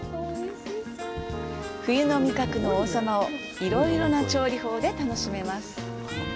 冬の味覚の王様をいろいろな調理法で楽しめます。